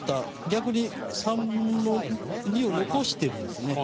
逆に３分の２を残してるんですね。